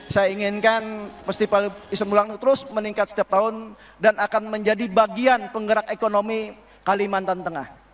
saya inginkan festival isem ulang terus meningkat setiap tahun dan akan menjadi bagian penggerak ekonomi kalimantan tengah